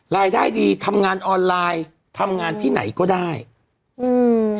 รายได้ดีทำงานออนไลน์ทำงานที่ไหนก็ได้อืม